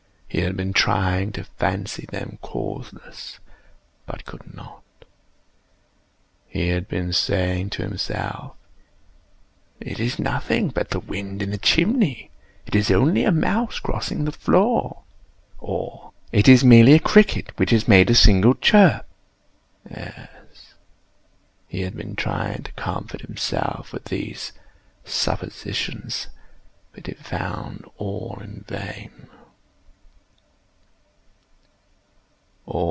He had been trying to fancy them causeless, but could not. He had been saying to himself—"It is nothing but the wind in the chimney—it is only a mouse crossing the floor," or "It is merely a cricket which has made a single chirp." Yes, he had been trying to comfort himself with these suppositions: but he had found all in vain.